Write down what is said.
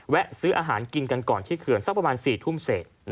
ซื้ออาหารกินกันก่อนที่เขื่อนสักประมาณ๔ทุ่มเศษ